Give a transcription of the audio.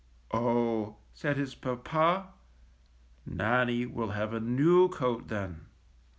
said his papa, '^Nannie will have a new coat then.